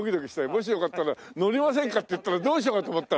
「もしよかったら乗りませんか？」って言ったらどうしようかと思った。